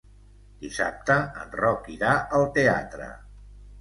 Dissabte en Roc irà al teatre.